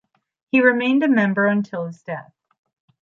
He remained a member until his death.